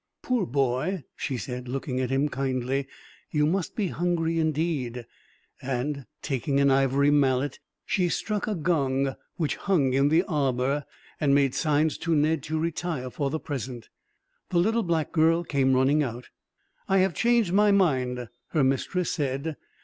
"Poor boy," she said, looking at him kindly; "you must be hungry, indeed," and, taking an ivory mallet, she struck a gong which hung in the arbor, and made signs to Ned to retire for the present. The little black girl came running out. "I have changed my mind," her mistress said.